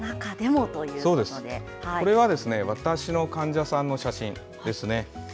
これは私の患者さんの写真ですね。